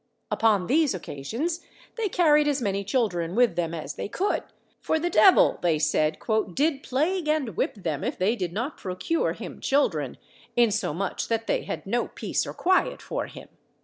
Upon these occasions they carried as many children with them as they could; for the devil, they said, "did plague and whip them if they did not procure him children, insomuch that they had no peace or quiet for him."